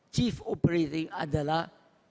chief operating adalah